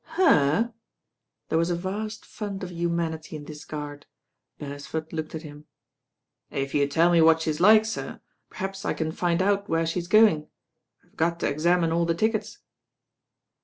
"Herl" There was a vast fund of humanity in this guard. Beresford looked at him. "If you tell me what she is like, sir, perhaps I can find out where she's going. I've got to examine all the tickets."